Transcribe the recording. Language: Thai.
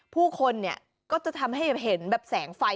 ผู้คนเนี่ยก็จะทำให้เห็นแบบแสงไฟ